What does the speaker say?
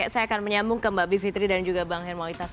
saya akan menyambung ke mbak bivitri dan juga bang hermawitaz